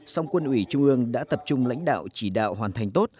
song quân ủy trung ương đã tập trung lãnh đạo chỉ đạo hoàn thành tốt